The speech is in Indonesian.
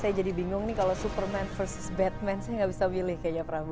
saya jadi bingung nih kalau superman versus batman saya nggak bisa pilih kayaknya prabu